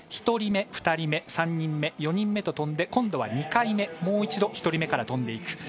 １人目、２人目、３人目４人目と飛んで今度は２回目、もう一度１人目から飛んでいく。